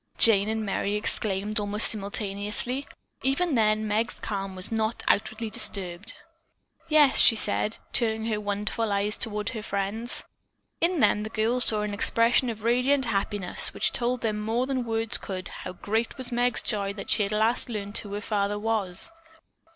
_" Jane and Merry exclaimed almost simultaneously. Even then Meg's calm was not outwardly disturbed. "Yes," she said, turning her wonderful eyes toward her friends. In them the girls saw an expression of radiant happiness which told them more than words could how great was Meg's joy that she had at last learned who her father really was.